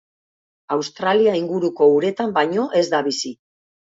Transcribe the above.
Australia inguruko uretan baino ez da bizi.